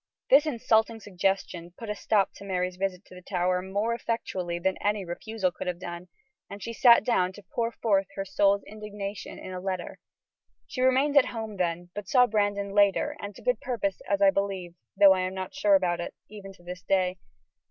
This insulting suggestion put a stop to Mary's visit to the Tower more effectually than any refusal could have done, and she sat down to pour forth her soul's indignation in a letter. She remained at home then, but saw Brandon later, and to good purpose, as I believe, although I am not sure about it, even to this day.